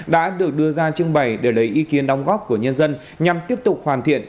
đã được đưa ra trưng bày để lấy ý kiến đóng góp của nhân dân nhằm tiếp tục hoàn thiện